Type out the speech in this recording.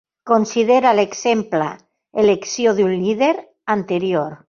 Considera l'exemple "Elecció d'un líder" anterior.